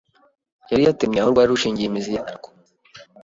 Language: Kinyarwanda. yari yatemye aho rwari rushingiye imizi yarwo